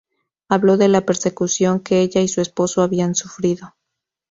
Habló de la persecución que ella y su esposo habían sufrido.